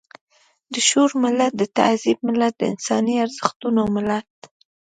د شعور ملت، د تهذيب ملت، د انساني ارزښتونو ملت.